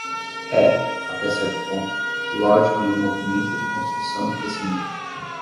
É, até certo ponto, lógico em um movimento de construção e crescimento.